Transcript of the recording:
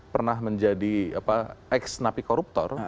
pernah menjadi eks nabi koruptor